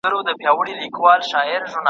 که لمر ډوب شي نو د دښتې هوا به سړه شي.